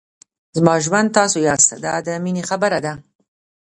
زما ژوند تاسو یاست دا د مینې خبره ده.